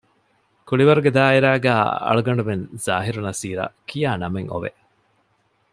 ކުޅިވަރުގެ ދާއިރާގައި އަޅުގަނޑުމެން ޒާހިރު ނަޞީރަށް ކިޔާ ނަމެއް އޮވެ